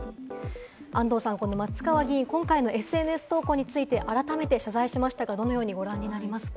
安藤さん、この松川議員、今回のＳＮＳ投稿について改めて謝罪しましたが、どのようにご覧になりますか？